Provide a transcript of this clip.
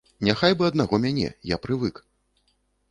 Няхай бы аднаго мяне, я прывык.